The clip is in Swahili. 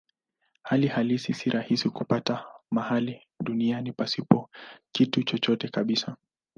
Hali halisi si rahisi kupata mahali duniani pasipo kitu chochote kabisa.